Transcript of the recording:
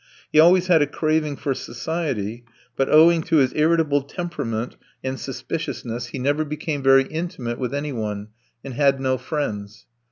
He always had a craving for society, but, owing to his irritable temperament and suspiciousness, he never became very intimate with anyone, and had no friends.